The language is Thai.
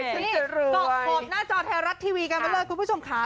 ลงขบหน้าจอแทรย์รัดทวีกันด้วยคุณผู้ชมคะ